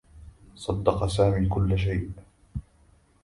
صدّق سامي كلّ شيء.